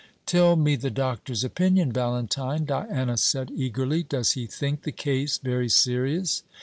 "Tell me the Doctor's opinion, Valentine," Diana said, eagerly. "Does he think the case very serious?"